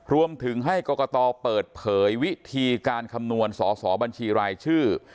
รวมถึงให้กรกตเปิดเผยวิธีการคำนวณสอสอบัญชีรายชื่อ